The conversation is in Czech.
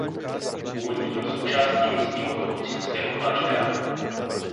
Původně byl součástí místního kapucínského kláštera.